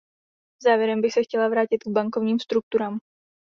Závěrem bych se chtěla vrátit k bankovním strukturám.